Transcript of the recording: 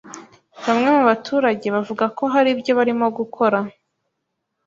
Bamwe mu baturage bavuga ko hari ibyo barimo gukora